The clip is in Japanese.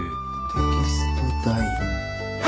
テキスト代。